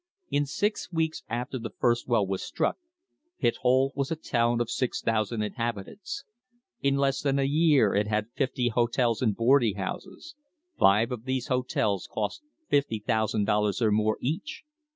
In six weeks after the first well was struck Pithole was a town of 6,000 inhab itants. In less than a year it had fifty hotels and boarding houses; five of these hotels cost $50,000 or more each.